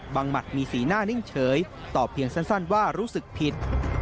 หมัดมีสีหน้านิ่งเฉยตอบเพียงสั้นว่ารู้สึกผิด